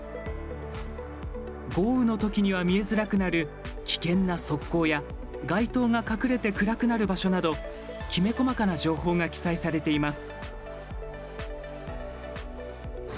豪雨のときには見えづらくなる危険な側溝や街灯が隠れて暗くなる場所などきめ細かな情報が記載されています。